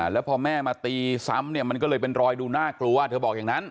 แล้วพอแม่มาตีซ้ำเนี่ยมันก็เลยเป็นรอยดูน่ากลัวเธอบอกอย่างนั้น